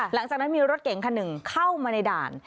หลังจากนั้นมีรถเก่งคันหนึ่งเข้ามาในด่าน